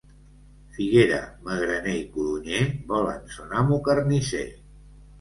Figuera, magraner i codonyer volen son amo carnisser.